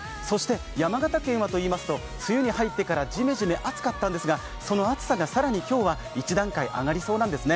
山形県はといいますと梅雨に入ってからジメジメと暑かったんですが、その暑さが今日は一段階上がりそうなんですね。